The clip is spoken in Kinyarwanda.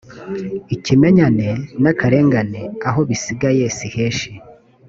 ikimenyane n akarengane aho bisigaye si henshi